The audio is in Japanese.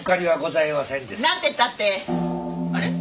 何てったってあれ？